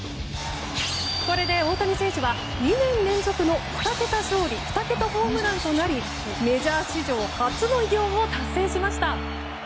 これで大谷選手は２年連続の２桁勝利２桁ホームランとなりメジャー史上初の偉業を達成しました。